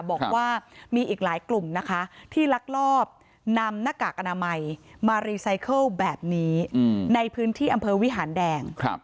บอกว่ามีอีกหลายกลุ่มนะคะที่ลักลอบนำหน้ากากอนามัยมารีไซเคิลแบบนี้ในพื้นที่อำเภอวิหารแดง